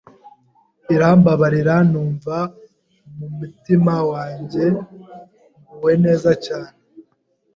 irambabarira numva mu mutima wanjye nguwe neza cyane